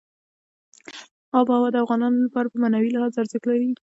آب وهوا د افغانانو لپاره په معنوي لحاظ ارزښت لري.